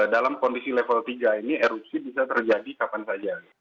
dalam kondisi level tiga ini erupsi bisa terjadi kapan saja